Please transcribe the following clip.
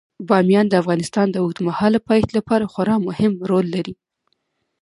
بامیان د افغانستان د اوږدمهاله پایښت لپاره خورا مهم رول لري.